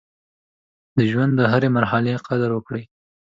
د ژوند د هرې مرحلې قدر وکړئ.